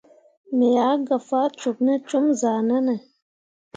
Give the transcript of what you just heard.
Me ah gah faa cok ne com zahʼnanne.